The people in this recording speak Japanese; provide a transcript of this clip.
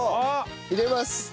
入れます。